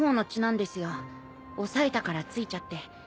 押さえたからついちゃって。